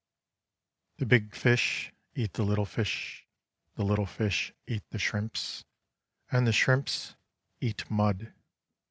(" The big fish— eat the little fish— the little fish — eat the shrimps — and the shrimps — eat mud."